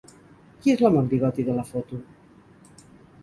Qui és l'home amb bigoti de la foto?